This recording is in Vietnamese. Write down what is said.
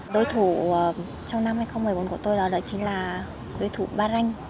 đối thủ trong năm hai nghìn một mươi bốn của tôi đó là đối thủ baranh